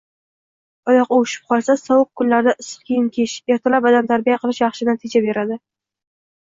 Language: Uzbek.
Oyoq uvishib qolsa, sovuq kunlarda issiq kiyim kiyish, ertalab badantarbiya qilish yaxshi natija beradi.